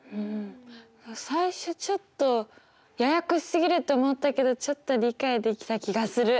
最初ちょっとややこしすぎるって思ったけどちょっと理解できた気がする。